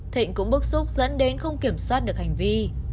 thịnh cũng bức xúc dẫn đến không kiểm soát được hành vi